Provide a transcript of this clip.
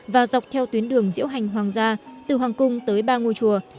và dọc theo tuyến đường diễu hành hoàng gia từ hoàng cung tới ba ngôi chùa